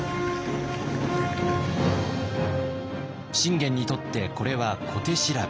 信玄にとってこれは小手調べ。